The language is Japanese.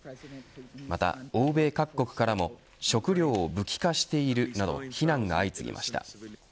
また欧米各国からも食糧を武器化しているなど非難が相次ぎました。